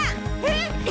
えっ！？